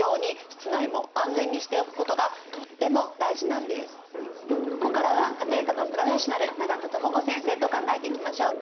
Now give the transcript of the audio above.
なのでここからは家庭科のプロフェッショナル永田智子先生と考えていきましょう。